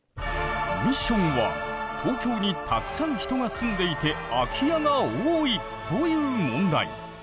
ミッションは東京にたくさん人が住んでいて空き家が多いという問題。